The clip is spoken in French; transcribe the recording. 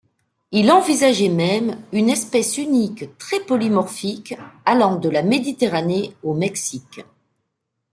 Il envisageait même une espèce unique très polymorphique allant de la Méditerranée au Mexique.